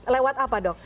lewat apa dok